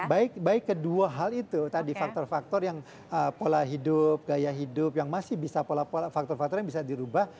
baik baik kedua hal itu tadi faktor faktor yang pola hidup gaya hidup yang masih bisa pola pola faktor faktor yang bisa dirubah